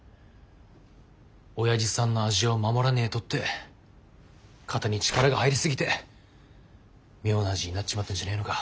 「おやじさんの味を守らねえと」って肩に力が入りすぎて妙な味になっちまってんじゃねえのか？